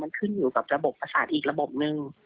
มันขึ้นอยู่กับระบบภาษาอีกระบบนึง